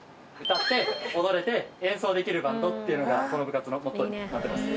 歌って踊れて演奏できるバンドっていうのがこの部活のモットーになってます。